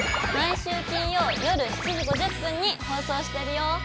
毎週金曜夜７時５０分に放送してるよ！